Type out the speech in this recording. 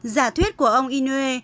giả thuyết của ông inoue